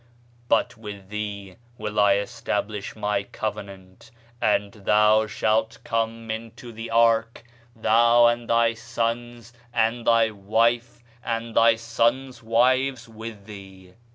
But with thee will I establish my covenant; and thou shalt come into the ark, thou, and thy sons, and thy wife, and thy sons' wives with thee.